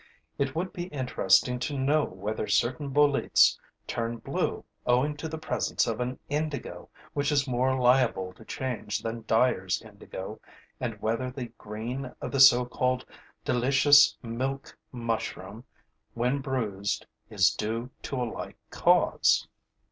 It would be interesting to know whether certain boletes turn blue owing to the presence of an indigo which is more liable to change than dyers' indigo and whether the green of the so called delicious milk mushroom when bruised is due to a like cause.